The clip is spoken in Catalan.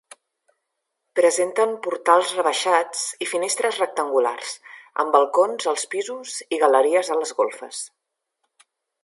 Presenten portals rebaixats i finestres rectangulars, amb balcons als pisos i galeries a les golfes.